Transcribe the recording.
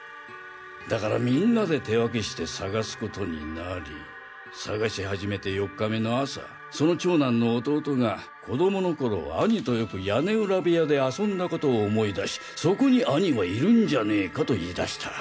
だからみんなで手分けして捜すことになり捜し始めて４日目の朝その長男の弟が子供の頃兄とよく屋根裏部屋で遊んだことを思い出しそこに兄はいるんじゃねぇかと言い出した。